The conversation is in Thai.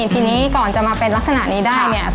ทีนี้ก่อนจะมาเป็นลักษณะนี้ได้เนี่ย